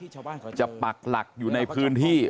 จะปักหลักอยู่ในพื้นที่